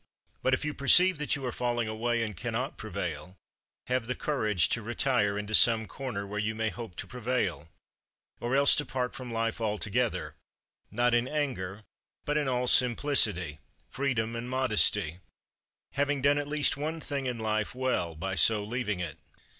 But if you perceive that you are falling away, and cannot prevail; have the courage to retire into some corner where you may hope to prevail, or else depart from life altogether, not in anger but in all simplicity, freedom, and modesty, having done at least one thing in life well, by so leaving it.